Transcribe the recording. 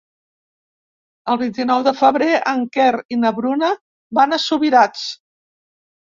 El vint-i-nou de febrer en Quer i na Bruna van a Subirats.